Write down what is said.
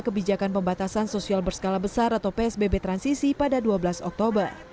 kebijakan pembatasan sosial berskala besar atau psbb transisi pada dua belas oktober